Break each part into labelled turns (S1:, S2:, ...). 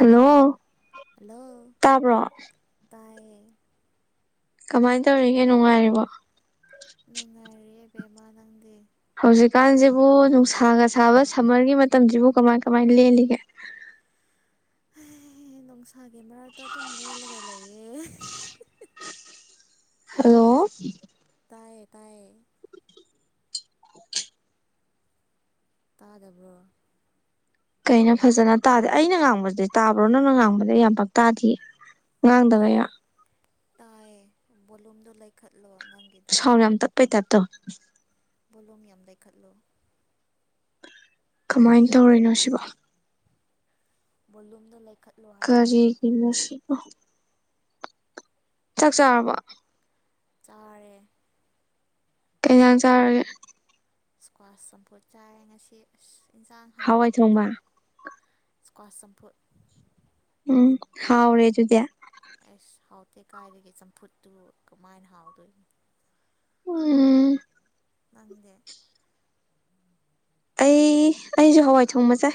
S1: ꯍꯜꯂꯧ hello
S2: ꯇꯥꯕ꯭ꯔꯣ
S1: ꯇꯥꯏꯌꯦ
S2: ꯀꯃꯥꯏꯟ ꯇꯧꯔꯤꯒꯦ ꯅꯨꯡꯉꯥꯏꯔꯤꯕꯣ
S1: ꯅꯨꯉꯔꯤꯌꯦ ꯀꯩꯅꯣ ꯅꯪꯗꯦ
S2: ꯍꯧꯖꯤꯛꯀꯥꯟꯖꯤꯕꯨ ꯅꯨꯡꯁꯥꯒ ꯁꯥꯕ ꯁꯃꯔꯒꯤ ꯃꯇꯝꯖꯤꯕꯨ ꯀꯃꯥꯏ ꯀꯃꯥꯏ ꯂꯦꯜꯂꯤꯒꯦ [inaudible]
S1: ꯍꯦ ꯅꯨꯡꯁꯥꯒꯤ ꯃꯔꯛꯇ ꯑꯗꯨꯝ ꯂꯦꯜꯂꯒ ꯂꯩꯌꯦ
S2: ꯍꯜꯂꯣ
S1: ꯇꯥꯏꯌꯦ ꯇꯥꯏꯌꯦ ꯇꯥꯗꯕ꯭ꯔꯣ
S2: ꯀꯩꯅꯣ ꯐꯖꯅ ꯇꯥꯗꯦ ꯑꯩꯅ ꯉꯥꯡꯕꯖꯤꯗꯤ ꯇꯥꯕ꯭ꯔꯣ ꯅꯪꯅ ꯉꯥꯡꯕꯅ ꯌꯥꯝ ꯄꯛ ꯇꯥꯗꯤꯌꯦ ꯉꯥꯡꯗꯕꯩꯔꯥ
S1: ꯇꯌꯦ ꯕꯣꯂꯨꯝꯗꯣ ꯂꯩꯈꯠꯂꯣ ꯅꯪꯒꯤꯗꯣ
S2: ꯁꯥꯎꯅꯝ ꯌꯥꯝ ꯇꯞꯄꯩ ꯇꯥꯏꯞ ꯇꯧ
S1: ꯈꯠꯂꯣ [inaudible]
S2: ꯀꯃꯥꯏ ꯇꯧꯔꯤꯅꯣ ꯁꯤꯕꯣ
S1: ꯕꯣꯂꯨꯝꯗꯣ ꯂꯩꯛ
S2: ꯀꯔꯤꯒꯤꯅꯣ ꯁꯤ ꯆꯥꯛ ꯆꯥꯔꯕ
S1: ꯆꯔꯦ
S2: ꯀꯩꯩ ꯏꯟꯖꯥꯡ ꯆꯥꯔꯒꯦ
S1: ꯏꯁꯀ꯭ꯋꯥꯁ ꯆꯝꯐꯨꯠ ꯏꯟꯁꯥꯡ
S2: ꯍꯋꯥꯏ
S1: ꯍꯥꯎꯗꯕꯅꯦ
S2: ꯊꯣꯡꯕ
S1: ꯀꯋꯥꯁꯦꯝꯄꯨ
S2: ꯎꯝ ꯍꯥꯎꯔꯦ ꯑꯗꯨꯗꯤꯌꯥ
S1: ꯑꯩꯁ ꯍꯥꯎꯇꯦ ꯀꯥꯏꯗꯒꯤ ꯆꯝꯐꯨꯠꯇꯨ ꯀꯃꯥꯏꯅ ꯍꯥꯎꯗꯣꯏꯅꯣ
S2: ꯎꯝ
S1: ꯅꯪꯗꯤ
S2: ꯑꯩ ꯑꯩꯁꯨ ꯍꯋꯥꯏ ꯊꯣꯡꯕ ꯆꯥꯏ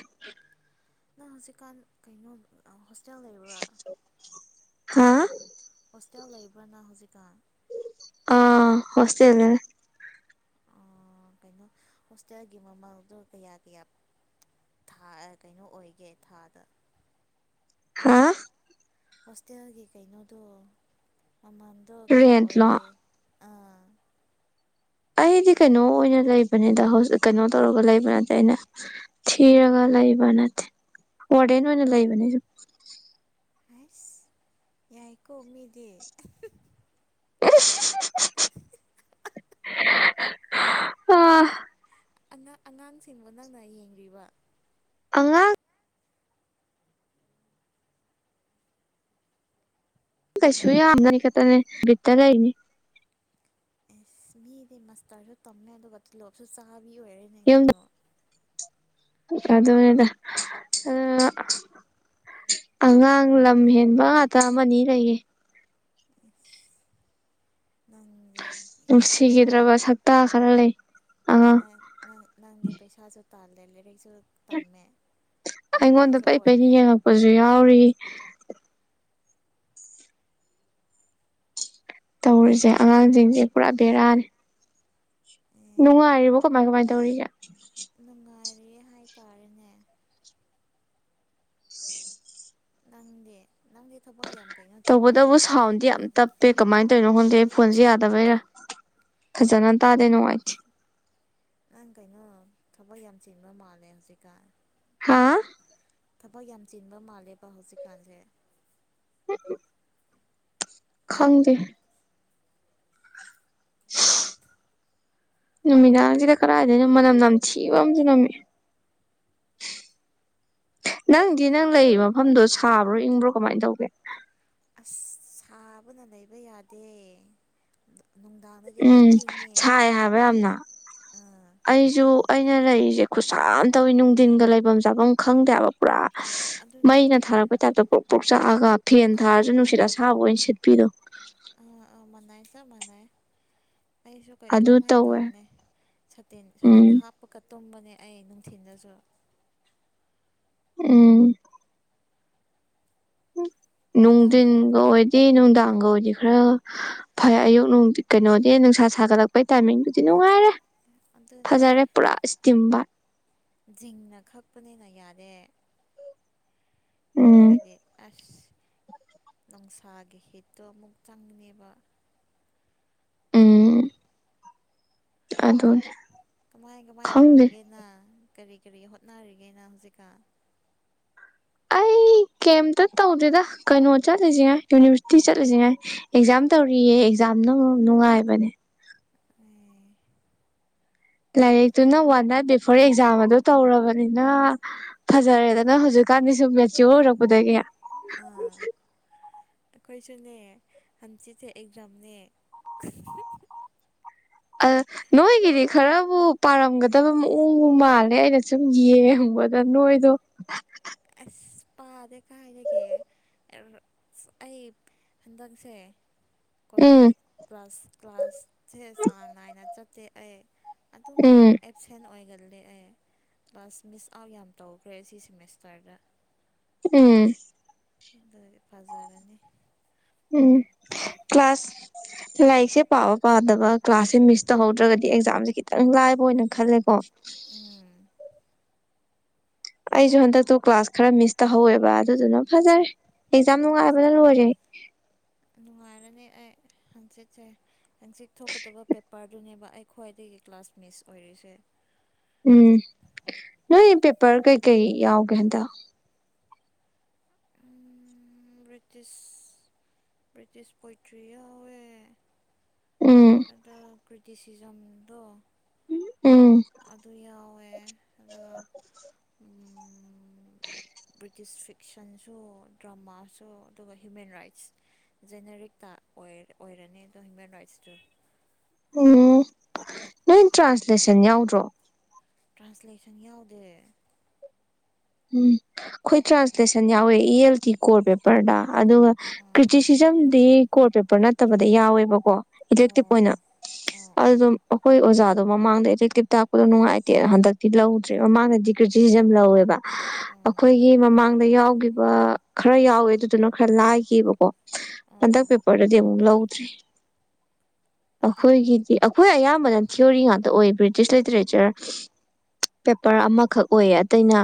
S1: ꯅꯪ ꯍꯧꯖꯤꯛꯀꯥꯟ ꯀꯩꯅꯣ ꯍꯣꯁꯇꯦꯜ ꯂꯩꯕ꯭ꯔꯥ
S2: ꯍꯥꯥ
S1: ꯍꯣꯁꯇꯦꯜ ꯂꯩꯕ꯭ꯔꯅ ꯍꯧꯖꯤꯛꯀꯥꯟ
S2: ꯑꯥ ꯍꯣꯁꯇꯦꯜꯗ ꯂꯩ
S1: ꯑꯣ ꯀꯩꯅꯣ ꯍꯣꯁꯇꯦꯜꯒꯤ ꯃꯃꯜꯗꯣ ꯀꯌꯥ ꯀꯌꯥ ꯊꯥ ꯀꯩꯅꯣ ꯑꯣꯏꯒꯦ ꯊꯥꯗ
S2: ꯍꯥꯥ
S1: ꯍꯣꯁꯇꯦꯜꯒꯤ ꯀꯩꯅꯣꯗꯣ ꯑꯃꯝꯗꯣ ꯀꯌꯥ
S2: ꯔꯦꯟꯠꯂꯣ
S1: ꯑꯣꯏꯒꯦ ꯑꯥ
S2: ꯑꯩꯗꯤ
S1: ꯀꯦ
S2: ꯀꯩꯅꯣꯅ ꯂꯩꯕ ꯅꯤꯗ ꯍꯧꯖꯤꯛ ꯀꯩꯅꯣ ꯇꯧꯔꯒ ꯂꯩꯕ ꯅꯠꯇꯦ ꯑꯩꯅ ꯊꯤꯔꯒ ꯂꯩꯕ ꯅꯠꯇꯦ ꯋꯥꯔꯗꯦꯟ ꯑꯣꯏꯅ ꯂꯩꯥꯏꯕꯅꯤ ꯁꯨꯝ
S1: ꯑꯁ ꯌꯥꯏꯀꯣ ꯃꯤꯗꯤ
S2: [unintelligible] [unintelligible] [inaudible]
S1: ꯑꯉꯥꯡꯁꯤꯡꯕꯨ ꯅꯪꯅ ꯌꯦꯡꯔꯤꯕ
S2: ꯑꯉꯥꯡ
S1: ꯀꯅꯥ
S2: ꯀꯩꯁꯨ ꯑ
S1: ꯀꯅꯥ
S2: ꯀ ꯤꯗꯗꯥ ꯂꯩꯏꯅꯤ
S1: ꯑꯦꯁ ꯃꯤꯗꯤ ꯃꯁꯇꯔꯁꯨ ꯇꯝꯃꯦ ꯑꯗꯨꯒ ꯇꯣꯂꯣꯞꯁꯨ ꯆꯥꯕꯤ ꯑꯣꯏꯔꯦꯅꯦ ꯀꯩꯅꯣ [inaudible]
S2: ꯑꯗꯨꯅꯦꯗ ꯑꯉꯥꯡ ꯂꯝ ꯍꯦꯟꯕ ꯉꯥꯛꯇ ꯑꯃꯅꯤ ꯂꯩ꯫ ꯌꯦ
S1: [unintelligible] ꯅꯪꯗꯤ
S2: ꯅꯨꯡꯁꯤꯈꯤꯗ꯭ꯔꯕ ꯁꯥꯛꯛꯇ ꯈꯔ ꯂꯩ ꯑꯉꯥꯡ
S1: ꯅꯪ ꯅꯪ ꯅꯪꯗꯦ ꯄꯩꯁꯥꯁꯨ ꯇꯜꯂꯦ ꯂꯥꯏꯔꯤꯛꯁꯨ ꯇꯝꯃꯦ
S2: ꯑꯩꯉꯣꯟꯗ
S1: ꯋꯥꯔꯗꯦꯟꯁꯨ
S2: ꯄꯩ ꯄꯩꯩꯅ
S1: ꯑꯣꯏꯔꯦ
S2: ꯌꯦꯡꯉꯛꯄꯁꯨ ꯌꯥꯎꯔꯤ ꯇꯧꯔꯤꯁꯦ ꯑꯉꯥꯡꯁꯤꯡꯁꯦ ꯄꯨꯔꯥ ꯕꯦꯔꯥꯅꯤ ꯅꯨꯡꯉꯥꯏꯔꯤꯕ ꯀꯃꯥꯏ ꯀꯃꯥꯏ ꯇꯧꯔꯤꯒꯦ
S1: ꯅꯨꯡꯉꯥꯏꯔꯤꯌ‌ꯦ ꯍꯥꯏꯇꯥꯔꯦꯅꯦ
S2: [unintelligible]
S1: ꯅꯪꯗꯤ ꯅꯪꯗꯤ ꯊꯕꯛ ꯌꯥꯝ ꯀꯩꯅꯣ ꯆꯤꯟꯕ
S2: ꯇꯧꯕꯇꯕꯨ
S1: ꯃꯥꯜꯂꯦ
S2: ꯁꯥꯎꯟꯗꯤ ꯌꯥꯝ ꯇꯞꯄꯦ ꯀꯃꯥꯏꯅ ꯇꯧꯔꯤꯅꯣ ꯈꯪ ꯑꯗꯩ ꯐꯣꯟꯁꯦ ꯌꯥꯗꯕꯩꯔꯥ ꯐꯖꯅ ꯇꯥꯗꯦ ꯅꯨꯡꯉꯥꯏꯇꯦ
S1: ꯅꯪ ꯀꯩꯅꯣ ꯊꯕꯛ ꯌꯥꯝ ꯆꯤꯟꯕ ꯃꯥꯜꯂꯦ ꯍꯧꯖꯤꯛ‌ꯀꯥꯟ
S2: ꯍꯥ
S1: ꯊꯕꯛ ꯌꯥꯝ ꯆꯤꯟꯕ ꯃꯥꯜꯂꯦꯕ ꯍꯧꯖꯤꯛꯀꯥꯟꯁꯦ
S2: ꯈꯪꯗꯦ ꯅꯨꯃꯤꯗꯥꯡꯁꯤꯗ ꯀꯗꯥꯏꯗꯅꯣ ꯃꯅꯝ ꯅꯝꯊꯤꯕ ꯑꯃꯁꯨ ꯅꯝꯃꯛꯑ‌ꯦ ꯅꯪꯗꯤ ꯅꯪ ꯂꯩꯔꯤꯕ ꯃꯐꯝꯗꯣ ꯁꯥꯕ꯭ꯔꯣ ꯏꯪꯕ꯭ꯔꯣ ꯀꯃꯥꯏꯅ ꯇꯧꯒꯦ
S1: ꯑꯁ ꯁꯥꯕꯅ ꯂꯩꯕ ꯌꯥꯗꯦ ꯅꯨꯡꯗꯥꯡꯗꯗꯤ ꯈꯔ
S2: ꯎꯝ
S1: ꯏꯪꯉꯦ
S2: ꯁꯥꯏ ꯍꯥꯏꯕ ꯌꯥꯝꯅ
S1: ꯑꯥ
S2: ꯑꯩꯁꯨ ꯑꯩꯅ ꯂꯩꯔꯤꯁꯦ ꯈꯨꯁ ꯁꯥ ꯃꯥ ꯇꯧꯋꯤ ꯅꯨꯡꯊꯤꯟꯒ ꯂꯩꯐꯝ ꯆꯥꯐꯝ ꯈꯪꯗꯦꯕ ꯄꯨꯔꯥ
S1: ꯑꯗꯨꯅꯦ
S2: ꯃꯩꯅ
S1: ꯑꯗꯨꯅꯦ
S2: ꯊꯥꯔꯛꯄꯩ ꯇꯥꯏꯞꯇ ꯄꯣꯛ ꯄꯣꯛ ꯆꯥꯛꯑꯒ ꯐꯦꯟ ꯊꯥꯔꯁꯨ ꯅꯨꯡꯁꯤꯠ ꯑꯁꯥꯕ ꯑꯣꯏꯅ ꯁꯦꯠꯄꯤꯗꫭ
S1: ꯑ ꯑ ꯃꯅꯩ ꯆꯞ ꯃꯥꯟꯅꯩ ꯑꯩꯁꯨ ꯀꯩ
S2: ꯑꯗꯨ
S1: ꯑꯗꯨꯃꯥꯏꯅ
S2: ꯇꯧꯋꯦ
S1: ꯇꯧꯕꯅꯦ ꯁꯥꯇꯤꯟ ꯁꯥꯇꯤꯟ
S2: ꯎꯝ
S1: ꯍꯥꯞꯄꯀ ꯇꯨꯝꯕꯅꯦ ꯑꯩ ꯅꯨꯡꯊꯤꯟꯗꯁꯨ
S2: ꯎꯝ
S1: ꯅꯨꯡꯗꯥꯡ
S2: ꯅꯨꯡꯊꯤꯟꯒ ꯑꯣꯏꯗꯤ ꯅꯨꯡꯗꯥꯡꯒ ꯑꯣꯏ ꯗꯤ ꯈꯔ ꯐꯩ ꯑꯌꯨꯛ ꯅꯨꯡ ꯀꯩꯅꯣꯗꯤ ꯅꯨꯡꯁꯥ ꯁꯥꯒꯠꯂꯛꯄꯩ ꯇꯥꯏꯃꯤꯡꯗꯨꯗꯤ ꯅꯨꯡꯉꯥꯏꯔꯦ
S1: ꯑꯗꯨꯅꯦ
S2: ꯐꯖꯥꯔ‌ꯦ ꯄꯨꯔ ꯏꯁꯇꯤꯝꯕꯥꯠ
S1: ꯖꯤꯡꯅ ꯈꯛꯄꯅꯤꯅ ꯌꯥꯗ‌ꯦ
S2: ꯎꯝ
S1: ꯑꯈꫭꯏꯒꯗꯤ ꯑꯁ ꯅꯨꯡꯁꯥꯒꯤ ꯍꯤꯠꯇꯣ ꯑꯃꯨꯛ ꯆꯪꯉ‌ꯦꯕ
S2: ꯎꯝ ꯑꯗꯨꯅꯦ
S1: ꯀꯃꯥꯏ ꯀꯃꯥꯏꯅ
S2: ꯈꯪꯗꯦ
S1: ꯇꯧꯔꯤꯒꯦ ꯅꯪ ꯀꯔꯤ ꯀꯔꯤ ꯍꯣꯠꯅꯔꯤꯒꯦ ꯅꯪ ꯍꯧꯖꯤꯛꯀꯥꯟ
S2: ꯑꯩ ꯀꯦꯝꯇ ꯇꯧꯗꯦꯗ ꯀꯩꯅꯣ ꯆꯠꯂꯤꯁꯤꯉꯥꯏ ꯌꯨꯅꯤꯚꯔꯁꯤꯇꯤ ꯆꯠꯂꯤꯁꯤꯉꯥꯏ ꯑꯦꯛꯖꯥꯝ ꯇꯧꯔꯤꯑꯌꯦ‌ ꯑ‌ꯦꯛꯖꯥꯝ ꯌꯥꯝꯅ ꯅꯨꯡꯉꯥꯏꯕꯅꯦ
S1: ꯑꯦ
S2: ꯂꯥꯏꯔꯤꯛꯇꯨꯅ ꯋꯥꯟ ꯅꯥꯏꯠ ꯕꯤꯐꯣꯔ ꯑꯦꯛꯖꯥꯝ ꯑꯗꯨ ꯇꯧꯔꯕꯅꯤꯅ ꯐꯖꯔꯦꯗꯅ ꯍꯧꯖꯤꯛ ꯀꯥꯟꯗꯤꯁꯨꯝ ꯃ‌ꯦꯆꯤꯑꫭꯔ ꯑꯣꯏꯔꯛꯄꯗꯒ
S1: ꯑꯥ ꯑꯩꯈꯣꯏꯁꯨꯅꯦ ꯍꯝꯆꯤꯠꯁꯦ ꯑꯦꯖꯥꯝꯅꯦ
S2: ꯑ ꯅꯣꯏꯒꯤꯗꯤ ꯈꯔꯕꯨ ꯄꯥꯔꯝꯒꯗꯕ ꯃꯑꯣꯡꯕꯨ ꯃꯥꯜꯂꯦ ꯑꯩꯅ ꯁꯨꯝ ꯌꯦꯡ ꯗ ꯅꯣꯏꯗꫭ
S1: ꯑꯁ ꯄꯥꯗꯦ ꯀꯥꯏꯗꯒꯤ ꯑꯩ ꯍꯟꯗꯛꯁꯦ
S2: ꯎꯝ
S1: ꯀ꯭ꯂꯁ ꯀ꯭ꯂꯥꯁꯁꯦ ꯆꯥꯡ ꯅꯥꯏꯅ ꯆꯠꯇ‌ꯦ ꯑꯩ ꯑꯗꯨꯝ
S2: ꯎꯝ
S1: ꯑꯦꯞꯁꯦꯟ ꯑꯣꯏꯒꯜꯂꯦ ꯑꯩ ꯀ꯭ꯂꯥꯁ ꯃꯤꯁ ꯑꯥꯎꯠ ꯌꯥꯝ ꯇꯧꯈ꯭ꯔꯦ ꯁꯤꯁꯤꯃꯁ ꯇꯔꯗ
S2: ꯎꯝ
S1: ꯑꯗꫭꯏꯗꯤ ꯐꯖꯔꯅꯤ
S2: ꯎꯝ ꯀ꯭ꯂꯥꯁ ꯂꯥꯏꯛꯁꯦ ꯄꯕ ꯄꯥꯗꯕ ꯀ꯭ꯂꯥꯁꯁꯦ ꯃꯤꯁ ꯇꯧꯍꯧꯗ꯭ꯔꯒꯗꯤ ꯑꯦꯛꯖꯥꯝꯁꯦ ꯈꯤꯇꯪ ꯂꯥꯏꯕ ꯑꯣꯏꯅ ꯈꯜꯂꯦꯀꯣ
S1: ꯎꯝ
S2: ꯑꯩꯁꯨ ꯍꯟꯗꯛꯇꯨ ꯀ꯭ꯂꯥꯁ ꯈꯔ ꯃꯤꯁ ꯇꯧꯍꯧꯋꯦꯕ ꯑꯗꯨꯗꯨꯅ ꯐꯖꯔꯦ ꯑꯦꯛꯖꯥꯝ ꯅꯨꯡꯉꯥꯏꯕꯅ ꯂꯣꯏꯔꯦ [inaudible]
S1: ꯅꯨꯡꯉꯥꯏꯔꯅꯤ ꯑꯩ ꯍꯪꯆꯤꯠꯁꯦ ꯍꯪꯆꯤꯠ ꯊꯣꯛꯀꯗꯕ ꯄꯦꯄꯔꯗꯨꯅꯦꯕ ꯑꯩ ꯈ꯭ꯋꯥꯏꯗ ꯑꯩ ꯀ꯭ꯂꯥꯁ ꯃꯤꯁ ꯑꯣꯏꯔꯤꯁꯦ
S2: ꯎꯝ ꯅꯣꯏ ꯄꯦꯄꯔ ꯀꯩꯀꯩ ꯌꯥꯎꯒꯦ ꯍꯟꯗ
S1: ꯕ꯭ꯔꯤꯇꯤꯁ ꯕ꯭ꯔꯤꯇꯤꯁ ꯄꯣꯏꯇ꯭ꯔꯤ ꯌꯥꯎꯋꯦ
S2: ꯎꯝ
S1: ꯑꯗ ꯀ꯭ꯔꯤꯇꯤꯁꯖꯝꯗ
S2: ꯎꯝ
S1: ꯑꯗꯨ ꯌꯥꯎꯋꯦ ꯑꯗꯨꯒ ꯕ꯭ꯔꯤꯇꯤꯁ ꯐꯤ ꯑꯦꯛꯁꯟꯁꯨ ꯗ꯭ꯔꯃꯥꯁꯨ ꯑꯗꯨꯒ ꯍ꯭ꯌꯨꯃꯦꯟ ꯔꯥꯏꯠꯁ ꯖꯦꯅꯦꯔꯤꯛꯇ ꯑꯣꯏꯔꯦ ꯍꯃꯦꯟ ꯔꯥꯏꯠ
S2: ꯎꯝ ꯅꯣꯏ ꯇ꯭ꯔꯥꯟꯁꯂꯦꯁꯟ ꯌꯥꯎꯗ꯭ꯔꯣ
S1: ꯇ꯭ꯔꯥꯟꯁꯂꯦꯁꯟ ꯌꯥꯎꯗꯦ
S2: ꯎꯝ ꯑꯩꯈꯣꯏ ꯇ꯭ꯔꯥꯟꯁꯂꯦꯁꯟ ꯌꯥꯎꯋꯦ ꯏ ꯑꯦꯜ ꯇꯤ ꯀꯣꯔ ꯄꯦꯄꯔꯗ ꯑꯗꯨꯒ ꯀ꯭ꯔꯤꯇꯤꯁꯤꯖꯝꯗꯤ ꯀꯣꯔ ꯄꯦꯄꯔ ꯅꯠꯇꯕꯗ ꯌꯥꯎꯋꯦꯕꯀꯣ
S1: ꯑꯣ
S2: ꯏꯂꯦꯛꯇꯤꯞ ꯑꯣꯏꯅ
S1: ꯑꯣ ꯑꯣ
S2: ꯑꯗꯨꯝ ꯑꯩꯈꯣꯏ ꯑꯣꯖꯥꯗꯣ ꯃꯃꯥꯡꯗ ꯑꯦꯇꯦꯛꯇꯤꯞ ꯇꯥꯛꯄꯗꯣ ꯅꯨꯡꯉꯥꯏꯇꯦ ꯍꯟꯗꯛꯇꯤ ꯂꯧꯗ꯭ꯔꯦ ꯃꯃꯥꯡꯗꯗꯤ ꯁꯤꯦ ꯌꯥꯝ ꯂꯧꯋꯦꯕ
S1: ꯑꯣ
S2: ꯑꯩꯈꯣꯏꯒꯤ ꯃꯃꯥꯡꯗ ꯌꯥꯎꯈꯤꯕ ꯈꯔ ꯌꯥꯎꯋꯦ ꯑꯗꯨꯗꯨꯅ ꯈꯔ ꯂꯥꯏꯈꯤꯕꯕꯀꯣ ꯍꯟꯗꯛ
S1: ꯑꯣ
S2: ꯄꯦꯄꯔꯗꯗꯤ ꯑꯃꯨꯛ ꯂꯧꯗ꯭ꯔꯤ
S1: ꯑꯗꯣ
S2: ꯑꯩꯈꯣꯏꯒꯤꯗꯤ ꯑꯩꯈꯣꯏ ꯑꯌꯥꯝꯕꯅ ꯊꯤꯑꯣꯔꯤ ꯉꯥꯛꯇ ꯑꯣꯏꯕ ꯕ꯭ꯔꯤꯇꯤꯁ ꯂꯤꯇꯔꯦꯆꯔ ꯄꯦꯄꯔ ꯑꯃꯈꯛ ꯑꯣꯏꯌꯦ ꯑꯇꯩꯅ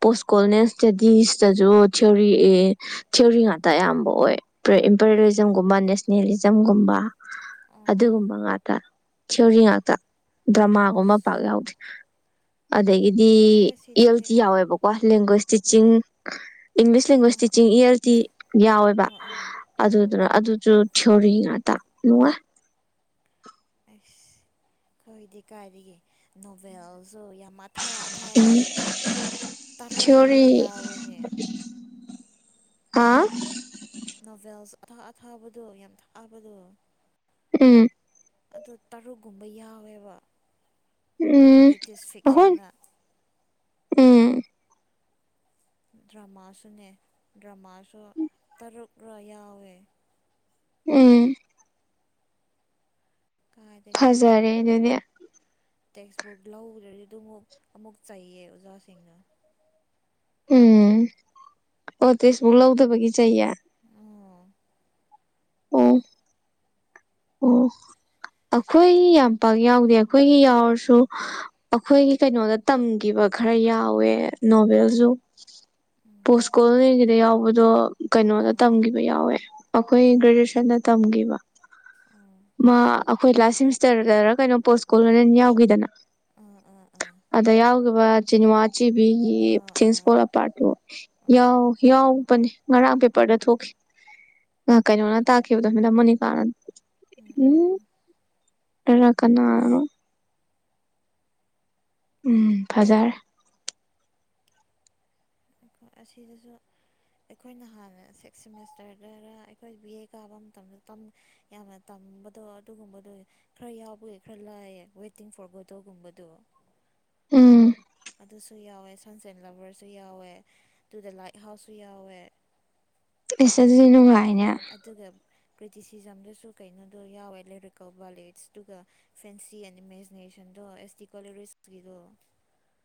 S2: ꯄꯣꯁ ꯀꯣꯂꯅꯦ ꯏꯁꯇꯗꯤꯁꯇꯁꯨ ꯊꯤꯌꯔꯤ ꯑꯦ ꯊꯤꯑꯣꯣꯔꯤ ꯉꯥꯛꯇ ꯑꯌꯥꯝꯕ ꯑꯣꯏ ꯏꯝꯄꯔꯔꯤꯖꯝꯒꯨꯝꯕ ꯅꯦꯁꯅꯦꯂꯤꯖꯝꯒꯨꯝꯕ
S1: ꯑꯣ
S2: ꯑꯗꯨꯒꯨꯝꯕ ꯉꯥꯛꯇ ꯊꯤꯑꯣꯔꯤ ꯉꯥꯛꯇ ꯗ꯭ꯔꯃꯥꯒꯨꯝꯕ ꯄꯥꯛ
S1: ꯑꯁ
S2: ꯌꯥꯎꯗꯦ ꯑꯗꯒꯤꯗꯤ
S1: ꯂꯣꯏꯔꯦꯍꯦ
S2: ꯑꯦ ꯑꯦꯜ
S1: ꯁꯤꯗꯗꯤ
S2: ꯇꯤ ꯌꯥꯎꯋꯦꯕꯀꯣ ꯂꯦꯡꯒ꯭ꯋꯦꯁꯇꯤꯆꯤꯡ ꯏꯪꯂꯤꯁ
S1: ꯑꯥ
S2: ꯂꯦꯡꯒ꯭ꯋꯦꯁ
S1: ꯑꯥ
S2: ꯇꯤꯆꯤꯡ
S1: ꯑꯥ
S2: ꯏ ꯑꯦꯜ ꯇꯗꯤ ꯌꯥꯎꯋꯦꯕ
S1: ꯑꯥ ꯑꯥ ꯑꯥ
S2: ꯑꯗꯨꯗꯨꯅ ꯑꯗꯨꯁꯨ ꯔꯤ ꯉ ꯇ ꯂꯅꯨꯡꯉ
S1: ꯑꯁ ꯈꯣꯏꯗꯤ ꯀꯥꯏꯗꯒꯤꯦ ꯅꯣꯚꯦꯜꯁ ꯁꯨ ꯌꯥꯝ ꯑꯊꯥ
S2: ꯎꯝ
S1: ꯑꯊꯥꯕꯗꯣ ꯇꯔꯨꯛꯀꯨꯝꯕ
S2: ꯊꯤꯑꯣꯔꯤ
S1: ꯌꯥꯎꯋꯦꯅꯦ
S2: ꯍꯥ
S1: ꯅꯣꯚꯦꯜꯁ ꯑꯊꯥ ꯑꯊꯥꯕꯗꯣ ꯌꯥꯝ ꯊꯛꯥꯕꯗꯣ
S2: ꯎꯝ
S1: ꯑꯗꯨ ꯇꯔꯨꯛꯀꯨꯝꯕ ꯌꯥꯎꯋꯦꯕ
S2: ꯎꯝ
S1: ꯕ꯭ꯔꯤꯇꯤꯁ
S2: ꯑꯍꯨꯝ
S1: ꯐꯤꯛꯁꯟꯗ
S2: ꯎꯝ
S1: ꯗ꯭ꯔꯃꯥꯁꯨꯅꯦ ꯗ꯭ꯔꯃꯥꯁꯨ ꯇꯔꯨꯛꯔ ꯌꯥꯎꯋꯦ
S2: ꯎꯝ ꯐꯖꯔꯦ ꯑꯗꯨꯅꯦ
S1: ꯇꯦꯛꯁ ꯕꯨꯛ ꯂꯧꯗ꯭ꯔꯁꯨ ꯑꯗꯨ ꯑꯃꯨꯛ ꯑꯃꯨꯛ ꯆꯩꯥꯏꯌꯦ ꯑꯣꯖꯥꯁꯤꯡꯅ
S2: ꯎꯝ ꯑꯣ ꯇꯁꯕꯨ ꯂꯧꯗꯕꯒꯤ ꯆꯍꯤꯌꯦ
S1: ꯑꯣ
S2: ꯎꯝ ꯎꯝ ꯑꯩꯈꯣꯏꯒꯤ ꯌꯥꯝ ꯄꯥꯛ ꯌꯥꯎꯗꯦ ꯑꯩꯈꯣꯏꯒꯤ ꯌꯥꯎꯔꯁꯨ ꯑꯩꯈꯣꯏꯒꯤ ꯀꯩꯅꯣꯗ ꯇꯝꯈꯤꯕ ꯈꯔ ꯌꯥꯎꯋꯦ ꯅꯣꯚꯦꯜꯁꯨ
S1: ꯎꯝ
S2: ꯄꯣꯁꯀꯣꯜꯅꯦꯒꯤꯗ ꯌꯥꯎꯕꯗꯣ ꯀꯩꯅꯣꯗ
S1: ꯑꯥ
S2: ꯇꯝꯈꯤꯕ ꯌꯥꯎꯋꯦ ꯑꯩꯈꯣꯏ ꯒ꯭ꯔꯦꯖꯨꯌꯦꯁꯟꯗ ꯇꯝꯈꯤꯕ
S1: ꯑꯥ
S2: ꯃꯥ ꯑꯩꯈꯣꯏ ꯂꯥꯁ ꯁꯤꯦꯃꯤꯁꯇꯔꯗꯔ ꯀꯩꯅꯣ ꯄꯣꯁ ꯀꯣꯂꯅꯦꯟ ꯌꯥꯎꯈꯤꯗꯅ
S1: ꯑꯥ ꯑꯥ ꯑꯥ
S2: ꯑꯗ ꯌꯥꯎ ꯆꯅꯤꯆꯦ ꯒꯤ
S1: ꯑꯥ ꯑꯥ
S2: ꯊꯤꯟꯁꯄꯣꯂ ꯄꯥꯠꯣ
S1: ꯑꯥ
S2: ꯌꯥꯎ ꯌꯥꯎ ꯅꯤ ꯉꯔꯥꯡ ꯄꯦꯄꯔꯗ ꯊꯣꯛꯈꯤ ꯀꯩꯅꯣꯅ ꯇꯥꯈꯤꯕꯗꯣ ꯃꯦꯗꯥꯝ ꯃꯣꯅꯤꯀꯥꯅ
S1: ꯎꯝ ꯎꯝ ꯎꯝ
S2: ꯔ ꯀꯅꯥꯣ ꯎꯝ ꯐꯖꯔ
S1: ꯑꯩꯣꯏ ꯑꯁꯤꯗꯁꯨ ꯑꯩꯈꯣꯏꯅ ꯍꯥꯟꯅ ꯁꯤꯛꯁ ꯁꯦꯃꯦꯁꯇꯔꯗ ꯑꯩꯈꯣꯏ ꯕꯤ ꯑꯦ ꯀꯥꯕ ꯃꯇꯝꯗ ꯌꯥꯝꯅ ꯇꯝꯃꯤ ꯕꯗꯣ ꯑꯗꯨꯒꯨꯝꯕꯗꯣ ꯈꯔ ꯌꯥꯎꯕꯦ ꯈꯔ ꯂꯥꯏꯑ ꯋꯦꯇꯤꯡ ꯐꯣꯔ ꯒꯣꯗꯣꯒꯨꯝꯕꯗꯣ
S2: ꯎꯝ
S1: ꯑꯗꯨꯁꯨ ꯌꯥꯎꯋꯦ ꯁꯟꯁ ꯑꯦꯟ ꯂꯚꯔꯁꯨ ꯌꯥꯎꯋꯦ ꯑꯗꯨꯒ ꯗ ꯂꯥꯏꯠ ꯍꯥꯎꯁꯁꯨ ꯌꯥꯎꯋꯦ
S2: [inaudible] ꯏꯁꯁꯗꯤꯔꯤꯅꯨꯡꯥꯏ
S1: ꯑꯗꯨꯒꯒ ꯀ꯭ꯔꯤꯇꯤꯁꯤꯖꯝꯗꯁꯨ ꯀꯩꯅꯣꯗꯣ ꯌꯥꯎꯋꯦ ꯑꯦꯂꯦꯛꯇ꯭ꯔꯤꯀꯜ ꯚꯂꯦꯠꯁ ꯑꯗꯨꯒ ꯐꯦꯟꯁꯤ ꯑꯦꯟ ꯏꯃꯦꯖꯤꯅꯦꯁꯟ ꯑꯗꯣ ꯑꯦꯁ ꯇꯗꯤ ꯀꯣꯂꯦꯔꯤꯁꯀꯤꯗꯣ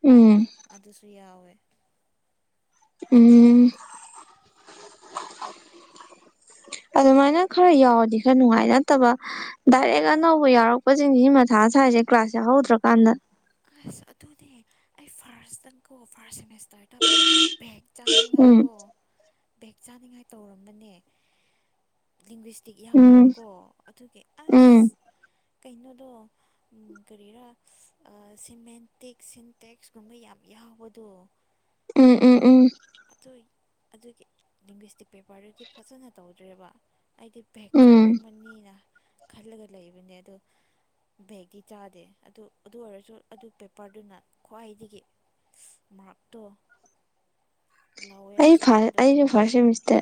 S2: ꯎꯝ
S1: ꯑꯗꯨꯁꯨ ꯌꯥꯎꯋꯦ
S2: ꯎꯝ ꯑꯗꯨꯃꯥꯏꯅ ꯈꯔ ꯌꯥꯎꯔꯗꯤ ꯈꯔ ꯅꯨꯡꯉꯥꯏ ꯅꯠꯇꯕ ꯗꯥꯏꯔꯦꯛ
S1: ꯎꯝ
S2: ꯑꯅꯧꯕ ꯌꯥꯎꯔꯛꯄ ꯀꯣꯆꯤꯟꯁꯤ ꯃꯊꯥ ꯁꯁꯦ ꯀ꯭ꯂꯥꯁ ꯌꯥꯎ ꯍꯧꯧꯗ꯭ꯔꯀꯥꯟꯗ
S1: ꯑꯁ ꯑꯗꯨꯗꯤ ꯑꯩ ꯐꯥꯔꯁꯇꯪ ꯀꯣ ꯐꯥꯔꯁ ꯁꯦꯃꯤꯁꯇꯔ ꯇ ꯦꯛ
S2: ꯎꯝ
S1: ꯆꯥꯍꯅꯤꯡꯉꯥꯏꯀꯣ ꯕꯦꯛ ꯆꯥꯅꯤꯡꯉꯥꯏ ꯇꯧꯔꯝꯕꯅꯦ ꯃꯇꯛ
S2: ꯎꯝ
S1: ꯌꯥꯎꯋꯦꯕꯀꯣ ꯑꯗꯨꯒꯤ ꯑꯁ
S2: ꯎꯝ
S1: ꯀꯩꯅꯣꯗꯣ ꯎꯝ ꯀꯔꯤꯔꯥ ꯁꯤꯃꯦꯟꯇꯤꯛ ꯁꯤꯟꯇꯦꯛꯁꯀꯨꯝꯕ ꯌꯥꯝ ꯌꯥꯎꯕꯗꯣ
S2: ꯎꯝ ꯎꯝ ꯎꯝ
S1: ꯑꯗꯨ ꯑꯗꯨꯒꯤ ꯂꯤꯡꯒ꯭ꯋꯁꯇꯤꯛ ꯄꯦꯄꯔꯗꯨꯗꯤ ꯐꯖꯅ ꯇꯧꯗ꯭ꯔꯦꯕ ꯑꯩꯗꯤ ꯕꯦꯛ
S2: ꯎꯝ
S1: ꯆꯥꯔꯝꯃꯅꯤꯅ ꯈꯜꯂꯒ ꯂꯩꯕꯅꯦ ꯑꯗꯣ ꯕꯦꯒꯀꯤ ꯆꯥꯗꯦ ꯑꯗꯨ ꯑꯗꯨ ꯑꯣꯏꯔꯁꯨ ꯑꯗꯨ ꯄꯦꯄꯔꯗꯨꯅ ꯈ꯭ꯋꯥꯏꯗꯒꯤ ꯃꯥꯛꯇꯣ
S2: [inaudible] ꯑꯩ ꯐ ꯑꯩꯁꯨ ꯐꯔꯁꯦ ꯃꯤꯁꯇꯦ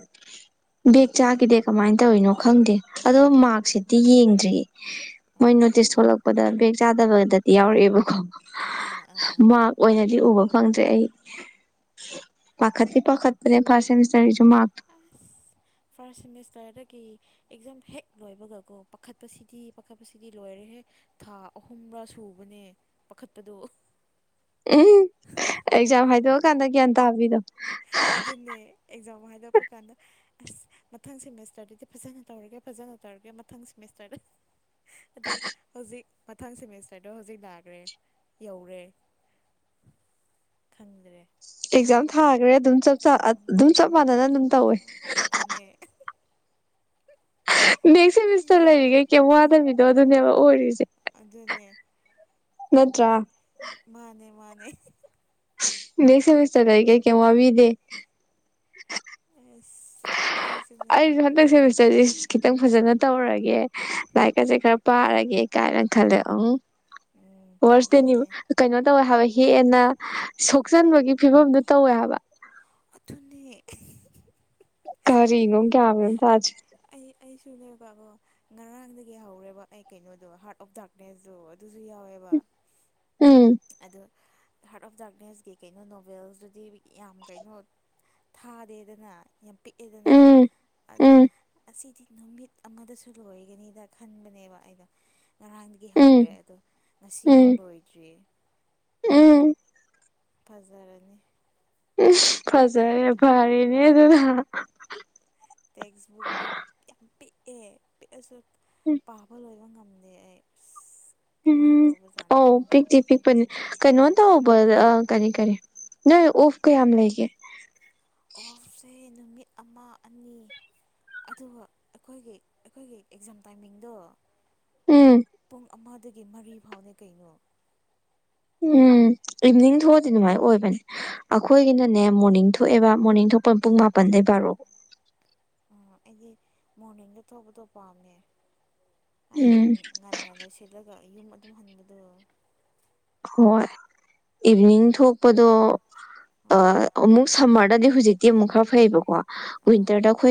S2: ꯕꯦꯦꯛ ꯆꯥꯈꯤꯗꯦ ꯀꯃꯥꯏꯅ ꯇꯧꯔꯤꯅꯣ ꯈꯪꯗꯦ ꯑꯗꯣ ꯃꯥꯔꯛꯁꯤꯗꯤ ꯌꯦꯡꯗ꯭ꯔꯤꯌꯦ ꯃꯣꯏꯅ
S1: ꯑꯥ
S2: ꯇꯤꯁ ꯊꯣꯛꯣꯂꯛꯄꯗ ꯕꯦꯛ ꯆꯥꯗꯕꯗꯗꯤ ꯌꯥꯎꯔꯛꯑꯦꯕꯀꯣ
S1: ꯑꯥ ꯑꯥ
S2: ꯃꯥꯔꯛ ꯑꯣꯏꯅꯗꯤ ꯎꯕ ꯐꯪꯗ꯭ꯔꯦ ꯑꯩ ꯄꯥꯈꯠꯇꯤ ꯄ ꯈꯠꯇ ꯐꯔꯦ ꯃꯤꯁꯕꯤ
S1: ꯐꯔꯁ ꯃꯤ ꯔꯗꯒꯤ ꯑꯦꯛꯖꯥꯝ ꯍꯦꯛ ꯂꯣꯏꯕꯒꯀꯣ ꯄꯥꯈꯠꯄꯁꯤꯗꯤ ꯄꯥꯈꯠꯄꯁꯤꯗꯤ ꯂꯣꯏꯔꯦ ꯍꯦꯛ ꯊꯥ ꯑꯍꯨꯝꯕꯥ ꯁꯨꯕꯅꯦ ꯄꯥꯈꯠꯄꯗꯨꯣ
S2: ꯎꯝ ꯑꯦꯛꯖꯥꯝ ꯍꯥꯏꯗꯣꯛꯑꯀꯥꯟꯗ ꯒ꯭ꯌꯥꯟ ꯇꯥꯕꯤꯗꯣ
S1: ꯑꯗꯨꯗꯟꯅꯦ ꯑꯦꯛꯖꯥꯝ ꯍꯥꯏꯗꯄ ꯀꯥꯟꯅ ꯑꯁ ꯃꯊꯪ ꯁꯦꯃꯤꯁꯇꯔꯗꯗꯤ ꯐꯖꯅ ꯇꯧꯔꯒꯦ ꯐꯖꯅ ꯇꯧꯔꯒꯦ ꯃꯊꯪ ꯁꯦꯃꯤꯁꯇꯔꯗ ꯑꯗꯨ ꯍꯧꯖꯤꯛ ꯃꯊꯪ ꯁꯦꯃꯤꯁꯇꯔꯗꯣ ꯍꯧꯖꯤꯛ ꯂꯥꯛꯈ꯭ꯔꯦ ꯌꯧꯔꯦ ꯈꯪꯗ꯭ꯔꯦ
S2: ꯑꯦꯛꯖꯥꯝ ꯊꯥꯈ꯭ꯔꯦ ꯑꯗꯨꯝ ꯑꯗꯨꯝ ꯆꯞ ꯃꯥꯟꯅꯅ ꯑꯗꯨꯝ ꯇꯧꯋꯦ
S1: ꯑꯗꯨꯅꯦ
S2: ꯅꯦꯛꯁ ꯁꯦꯃꯤꯁꯇꯔ ꯂꯩꯔꯤꯈꯩ ꯀꯩ ꯋꯥꯗꯃꯤꯗꯣ ꯑꯗꯨꯅꯦꯕ ꯑꯣꯏꯔꯤꯁꯦ
S1: ꯑꯗꯨ ꯑꯗꯨꯟꯅꯦ
S2: ꯅꯠꯇ꯭ꯔꯥ
S1: ꯃꯥꯅꯦ ꯃꯥꯅꯦ
S2: ꯁꯁꯔ ꯇꯥꯏ ꯀꯦ ꯀꯃꯕꯤꯗꯦ
S1: ꯌꯦꯁ
S2: ꯑꯩꯁꯨ ꯍꯟꯗꯛꯁꯦ ꯆꯁꯤ ꯈꯤꯇꯪ ꯐꯖꯅ ꯇꯧꯔꯒꯦ ꯂꯥꯏꯔꯤꯛꯀꯁꯦ ꯈꯔ ꯄꯥꯔꯒꯦ ꯀꯥꯏꯅ ꯈꯜꯂꯦ ꯑꯃꯝ
S1: ꯎꯝ
S2: ꯋꯥꯔꯁꯇꯅꯤ
S1: ꯑꯗꯨꯅꯦ
S2: ꯀꯩꯅꯣ ꯇꯧꯋꯦ ꯍꯥꯏꯕ ꯍꯦꯦꯟꯅ ꯁꯣꯛꯆꯟꯕꯒꯤ ꯐꯤꯕꯝꯗꯨ ꯇꯧꯋꯦ ꯍꯥꯏꯕ
S1: [inaudible]
S2: ꯀꯔꯤꯅꯣ ꯀꯌꯥꯃꯦꯝ ꯊꯥꯖꯦ
S1: ꯑꯩꯁꯨꯅꯦꯕ ꯑꯕꯣ ꯉꯔꯥꯡꯗꯒꯤ ꯍꯧꯔꯦꯕ ꯑꯩ ꯀꯩꯅꯣꯗꯣ ꯍꯥꯔꯠ ꯑꯣꯐ ꯗꯥꯔꯛꯅꯦꯁꯗꯣ ꯑꯗꯨꯁꯨ ꯌꯥꯎꯋꯦ ꯑꯦꯕꯥꯛ
S2: ꯎꯝ
S1: ꯑ ꯍꯥꯔꯠ ꯑꯣꯐ ꯗꯗꯥꯔꯛꯅꯦꯁꯀꯤ ꯀꯩꯅꯣ ꯅꯣꯚꯦꯜꯗꯨꯗꯤ ꯌꯥꯝ ꯀꯩꯅꯣ ꯊꯥꯗꯦꯗꯅ ꯌꯥꯝ ꯄꯤꯛꯑꯦꯗꯅ
S2: ꯎꯝ
S1: ꯑꯗꯣ
S2: ꯎꯝ
S1: ꯑꯁꯤꯗꯤ ꯅꯨꯃꯤꯠ ꯑꯃꯗꯁꯨ ꯂꯣꯏꯒꯅꯤꯗ ꯈꯟꯕꯅꯦꯕ ꯑꯩꯗꯣ ꯉꯔꯥꯡꯗꯒꯤ
S2: ꯎꯝ
S1: ꯍꯧꯔꯦ ꯑꯗꯣ
S2: ꯎꯝ
S1: ꯉꯁꯤꯐꯥꯎ ꯂꯣꯏꯗ꯭ꯔꯤꯌꯦ
S2: ꯎꯝ
S1: ꯐꯖꯔꯅꯤ
S2: ꯐꯖꯔꯦ ꯐꯔꯤꯅꯤ ꯑꯗꯨ ꯊ
S1: ꯇꯦꯛꯁꯕꯨꯛꯇꯛꯇꯣ ꯌꯥꯝ ꯄꯤꯛꯑꯦ ꯄꯤꯛꯑꯁꯨ ꯄꯥꯕ ꯂꯣꯏꯕ ꯉ
S2: ꯎꯝ
S1: ꯇꯧꯕꯖꯥꯠꯅꯣ
S2: ꯑꯣ
S1: ꯈꯪꯗꯦ
S2: ꯄꯤꯛꯇꯤ ꯄꯤꯛꯄꯅꯦ ꯀꯩꯅꯣ ꯇꯧꯕ ꯑ ꯀꯔꯤ ꯀꯔꯤ ꯅꯣꯏ ꯑꯣꯐ ꯀ ꯌꯥꯝ ꯌꯥꯝ ꯂꯩꯒꯦ
S1: ꯑꯣꯐꯁꯦ ꯅꯨꯃꯤꯠ ꯑꯃ ꯑꯅꯤ ꯑꯗꯨꯒ ꯑꯩꯈꯣꯏꯒꯤ ꯑꯩꯈꯣꯏꯒꯤ ꯑꯦꯛꯖꯥꯝ ꯇꯥꯏꯃꯤꯡꯗꯣ
S2: ꯎꯝ
S1: ꯄꯨꯡ ꯑꯃꯗꯒꯤ ꯃꯔꯤ ꯐꯥꯎꯅꯦ ꯀꯩꯅꯣ
S2: ꯎꯝ ꯏꯚꯅꯤꯡ ꯊꯣꯛꯑꯗꯤ ꯑꯗꯨꯃꯥꯏꯅ ꯑꯣꯏꯕꯅꯦ ꯑꯩꯈꯣꯏꯒꯤꯅꯅꯦ ꯃꯣꯔꯅꯤꯡ ꯊꯣꯛꯑꯦꯕ ꯃꯣꯔꯅꯤꯡ ꯊꯣꯛꯄ ꯄꯨꯡ ꯃꯥꯄꯟꯗ ꯑꯦꯕꯔꯣ
S1: ꯑꯩꯗꯤ ꯃꯣꯔꯅꯤꯡꯗ ꯊꯣꯛꯄꯗꯣ ꯄꯥꯝꯃꯦ ꯍꯥꯏꯗꯤ
S2: ꯎꯝ
S1: ꯉꯟꯅ ꯂꯣꯏꯁꯤꯜꯂꯒ ꯌꯨꯝ ꯑꯗꯨꯝ ꯍꯟꯕꯗꯣ
S2: ꯍꯣꯏ ꯏꯚꯅꯤꯡ ꯊꯣꯛꯄꯗꯣ
S1: ꯍꯣꯏ
S2: ꯑꯃꯨꯛ ꯁꯝꯃꯔ ꯗꯤ ꯍꯧꯖꯤꯛꯇꯤ ꯑꯃꯨꯛ ꯈꯔ
S1: ꯑꯥ
S2: ꯐꯩꯕꯀꯣꯋꯤꯟꯇꯔꯗ